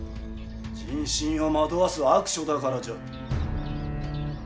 人心を惑わす悪書だからじゃ。